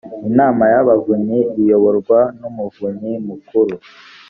inama y ‘abavunyi iyoborwa n’ umuvunyi mukuru